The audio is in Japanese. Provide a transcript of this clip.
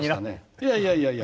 いやいやいやいや。